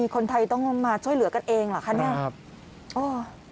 คนไทยต้องมาช่วยเหลือกันเองเหรอคะเนี่ย